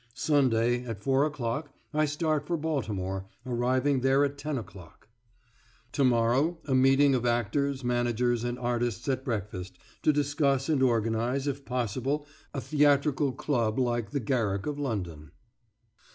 Sunday, at four o'clock, I start for Baltimore, arriving there at ten o'clock.... To morrow, a meeting of actors, managers, and artists at breakfast, to discuss and organise, if possible, a theatrical club like the Garrick of London....